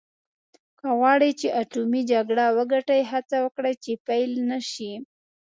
که غواړې چې اټومي جګړه وګټې هڅه وکړه چې پیل نه شي.